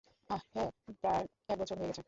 আহ, হ্যাঁ, প্রায় এক বছর হয়ে গেছে।